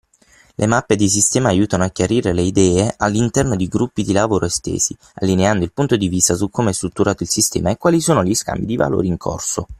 Le mappe di sistema aiutano a chiarire le idee all’interno di gruppi di lavoro estesi, allineando il punto di vista su come è strutturato il sistema e quali sono gli scambi di valori in corso.